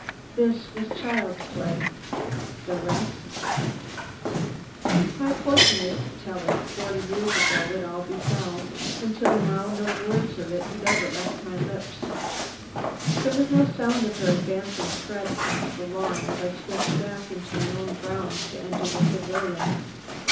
This was child's play; the rest My portion is to tell it; forty years ago it all befell, and till now no word of it has ever left my lips. There was no sound of her advancing tread across the lawn as I stepped back into my own grounds to enter the pavilion.